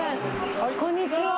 こんにちは。